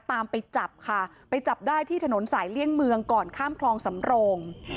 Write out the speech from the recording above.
ตามไปจับค่ะไปจับได้ที่ถนนสายเลี่ยงเมืองก่อนข้ามคลองสำโรง